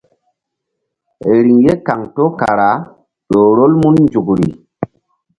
Riŋ ye kaŋto kara ƴo rol mun nzukri.